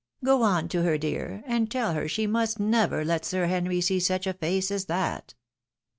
" Go on to her, dear, and tell her she must never let Sir Henry see such a face as that